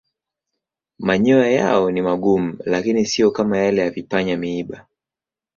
Manyoya yao ni magumu lakini siyo kama yale ya vipanya-miiba.